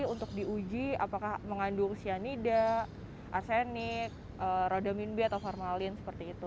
untuk diuji apakah mengandung cyanida arsenik rodamin b atau formalin seperti itu